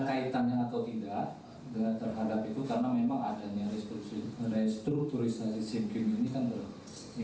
terhadap itu karena memang adanya restrukturisasi sim kim ini kan